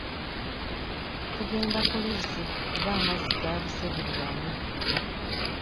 Tugenda ku luzzi kuba amazzi gaabuze buli wamu.